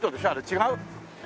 違う？